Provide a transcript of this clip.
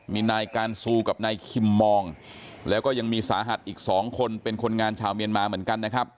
มีนายการซูกับนายคิมมองแล้วก็ยังมีสาหัสอีก๒คนเป็นคนงานชาวเมียนมาเหมือนกันนะครับ